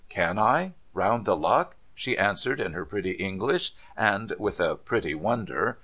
' Can I ? Round the luck?' she answered, in her pretty English, and with a pretty wonder.